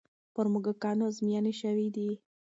پر موږکانو ازموینې شوې دي.